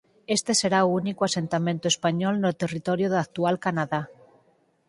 Este será o único asentamento español no territorio da actual Canadá.